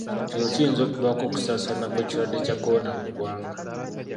Kino kiyinza okuvaako okusaasaana kw'ekirwadde kya Kolona mu ggwanga.